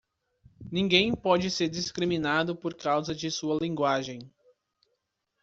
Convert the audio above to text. Ninguém pode ser discriminado por causa de sua linguagem.